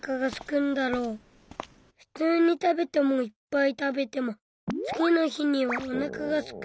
ふつうにたべてもいっぱいたべても次の日にはおなかがすく。